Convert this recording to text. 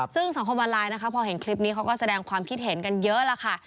ซึ่งสังคมออนไลน์นะคะพอเห็นคลิปนี้เขาก็แสดงความคิดเห็นกันเยอะแล้วค่ะ